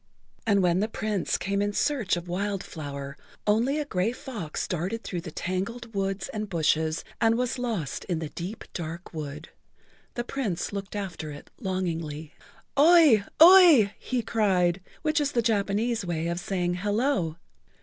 And when the Prince came in search of Wild Flower only a gray fox darted through the tangled weeds and bushes and was lost in the deep, dark wood. The Prince looked after it longingly. "Oi! Oi!" he cried (which is the Japanese way of saying "Hello!")